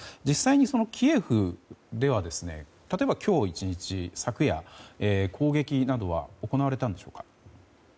実際にキエフでは例えば今日１日、昨夜攻撃などは行われたんでしょうか？